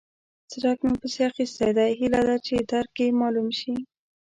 څرک مې پسې اخيستی دی؛ هيله ده چې درک يې مالوم شي.